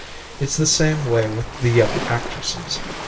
It's the same way with the young actresses.